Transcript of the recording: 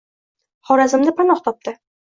Xorazmda panoh topdi